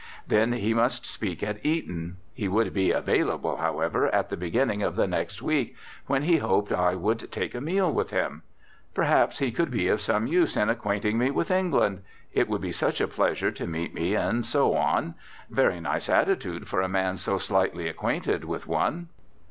Then he must speak at Eton. He would be "available," however, at the beginning of the next week, when he hoped I would "take a meal" with him. Perhaps he could be of some use in acquainting me with England; it would be such a pleasure to meet me, and so on. Very nice attitude for a man so slightly acquainted with one.